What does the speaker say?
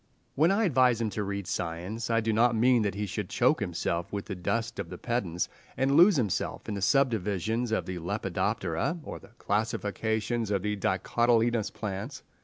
When I advise him to read science, I do not mean that he should choke himself with the dust of the pedants, and lose himself in the subdivisions of the Lepidoptera, or the classifications of the dicotyledonous plants.